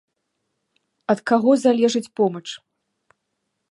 Ад каго залежыць помач?